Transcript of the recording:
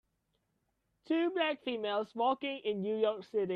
Two black females walking in new york city.